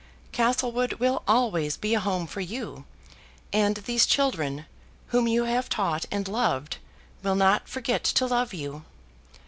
Castlewood will always be a home for you; and these children, whom you have taught and loved, will not forget to love you.